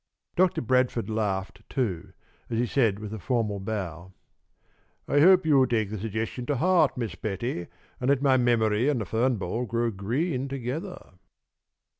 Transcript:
Doctor Bradford laughed, too, as he said with a formal bow: "I hope you will take the suggestion to heart, Miss Betty, and let my memory and the fern ball grow green together."